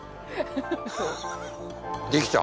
できた！